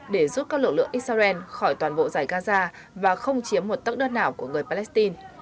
để rút các lực lượng israel khỏi toàn bộ giải gaza và không chiếm một tấc đơn nào của người palestine